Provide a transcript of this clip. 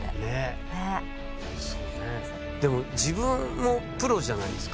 でも自分もプロじゃないですか。